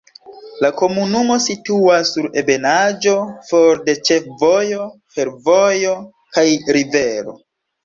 La komunumo situas sur ebenaĵo, for de ĉefvojo, fervojo kaj rivero.